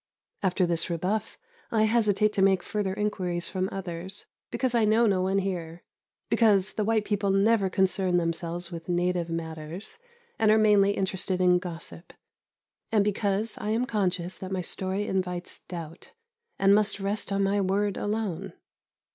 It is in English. After this rebuff I hesitate to make further inquiries from others, because I know no one here; because the white people never concern themselves with native matters, and are mainly interested in gossip; and because I am conscious that my story invites doubt, and must rest on my word alone.